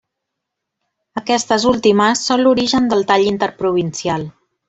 Aquestes últimes són l'origen del tall interprovincial.